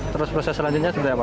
terus proses selanjutnya seperti apa